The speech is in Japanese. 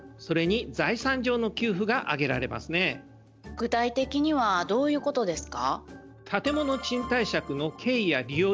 具体的にはどういうことですか？